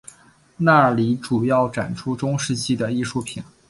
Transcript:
那里主要展出中世纪的艺术品。